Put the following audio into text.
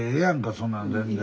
そんな全然。